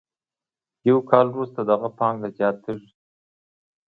یو کال وروسته د هغه پانګه زیاتېږي